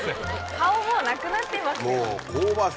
顔もうなくなってますよ。